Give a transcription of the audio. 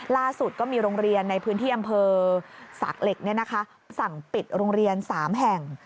ล่าสุดก็มีโรงเรียนในพื้นที่อำเภอสากเหล็กสั่งปิดโรงเรียน๓แห่ง